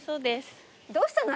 どうしたの？